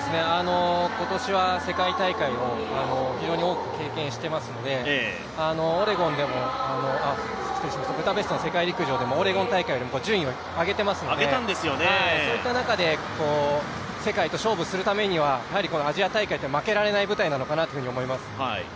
今年は世界大会を非常に多く経験していますのでブダペストの世界陸上でオレゴンよりも順位を上げていますので、そういった中で世界と勝負するためにはアジア大会は負けられない舞台なのかなと思います。